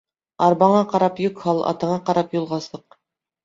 Арбаңа ҡарап йөк һал, атыңа ҡарап юлға сыҡ.